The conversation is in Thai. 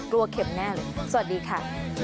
เข็มแน่เลยสวัสดีค่ะ